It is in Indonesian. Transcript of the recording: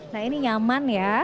nah ini nyaman ya